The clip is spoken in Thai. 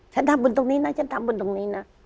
ฉันทำบุญตรงนี้นะฉันทำบุญตรงนี้นะ